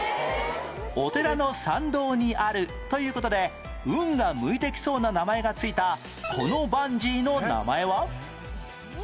お寺の参道にあるという事で運が向いてきそうな名前が付いたこのバンジーの名前は？